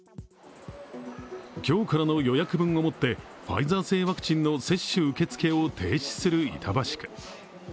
今日からの予約分をもってファイザー製ワクチンの接種受け付けを停止する板橋区。